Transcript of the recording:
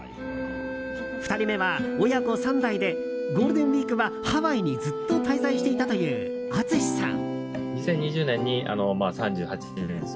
２人目は、親子３代でゴールデンウィークはハワイにずっと滞在していたというＡｔｕｓｈｉさん。